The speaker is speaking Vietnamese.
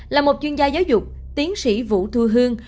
là một chuyên gia giáo dục tiến sĩ vũ thu hương